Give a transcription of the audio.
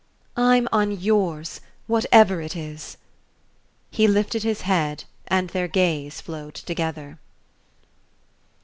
"I'm on yours, whatever it is!" He lifted his head and their gaze flowed together.